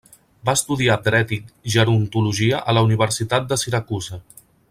Va estudiar Dret i Gerontologia a la Universitat de Syracuse.